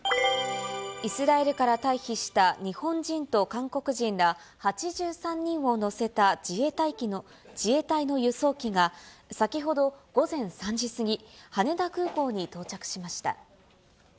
イスラエルから退避した日本人と韓国人ら８３人を乗せた自衛隊の輸送機が、先ほど午前３時過ぎ、羽田空港に到着しました。